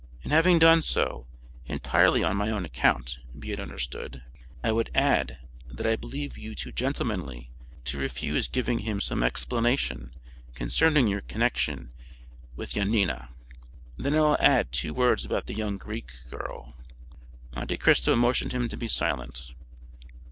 And having done so, entirely on my own account, be it understood, I would add that I believe you too gentlemanly to refuse giving him some explanation concerning your connection with Yanina. Then I will add two words about the young Greek girl." Monte Cristo motioned him to be silent.